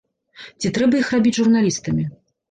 Ці трэба іх рабіць журналістамі?